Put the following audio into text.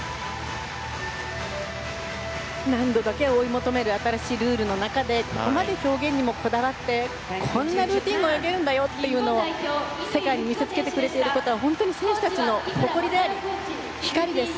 難度だけを求める新しいルールの中でここまで表現にこだわってこんなルーティンで泳げるんだよというのを世界に見せつけていることは本当に選手たちの誇りであり光です。